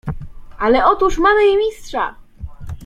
"Ale otóż mamy i Mistrza!"